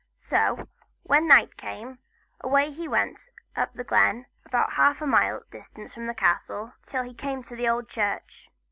So, when night came, away he went up the glen, about half a mile distance from the castle, till he came to the old church.